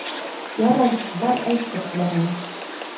Ярай, бар әйт күршеләреңә.